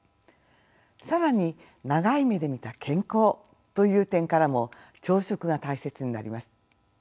更に長い目で見た健康という点からも朝食が大切になります。